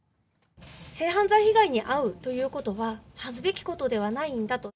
性犯罪被害に遭うということは、恥ずべきことではないんだと。